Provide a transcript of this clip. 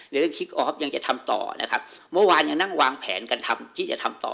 เรื่องคลิกออฟยังจะทำต่อนะครับเมื่อวานยังนั่งวางแผนกันทำที่จะทำต่อ